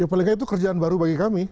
paling tidak itu kerjaan baru bagi kami